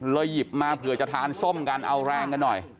หยิบมาเผื่อจะทานส้มกันเอาแรงกันหน่อย